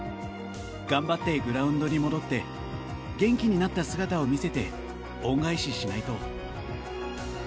頑張ってグラウンドに戻って元気になった姿を見せて恩返ししないと。